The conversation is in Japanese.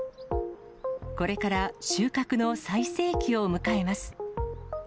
これから収穫の最盛期を迎えます。